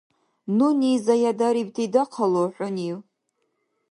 Нуни заядарибти дахъалу, хӀунив?